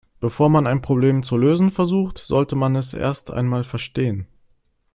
Bevor man ein Problem zu lösen versucht, sollte man es erst einmal verstehen.